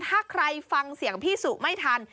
ถ้าใครฟังเสียงพี่สุไม่ทัน